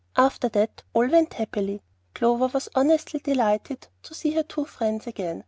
After that all went happily. Clover was honestly delighted to see her two friends again.